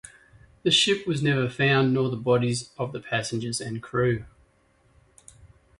The ship was never found, nor the bodies of the passengers and crew.